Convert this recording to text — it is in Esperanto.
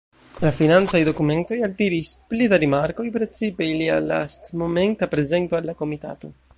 La financaj dokumentoj altiris pli da rimarkoj, precipe ilia lastmomenta prezento al la komitato.